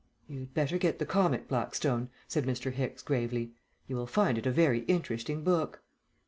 "You'd better get the comic Blackstone," said Mr. Hicks, gravely. "You will find it a very interesting book."